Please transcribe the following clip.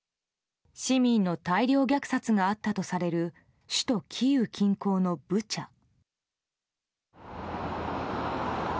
市民の大量虐殺があったとされる首都キーウ近郊のブチャ。